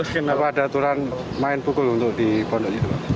kenapa ada aturan main pukul untuk di pondok itu pak